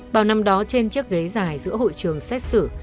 bảo nằm đó trên chiếc ghế dài giữa hội trường xét xử